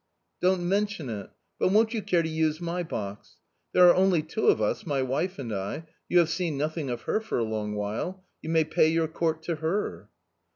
" Don't mention it. But won't you care to use my box ? there are only two of us, my wife and I ; you have seen nothing of her for a long while ; you may pay your court to her."